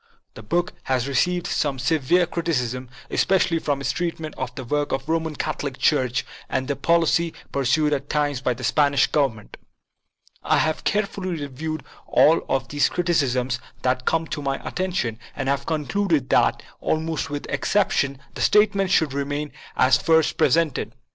The book has received some severe criticism, especially for its treatment of the work of the Roman Catholic Church and the policy pur sued at times by the Spanish Government. I have care fully reviewed all of these criticisms that came to my attention and have concluded that, almost without excep tion, the statements should remain as first presented.